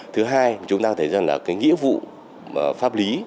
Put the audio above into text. thứ hai chúng ta thấy rằng là cái nghĩa vụ pháp lý